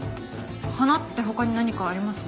花って他に何かあります？